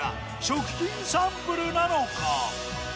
食品サンプルなのか？